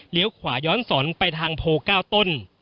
ขวาย้อนสอนไปทางโพ๙ต้น